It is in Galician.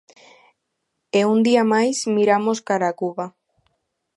E un día máis miramos cara a Cuba.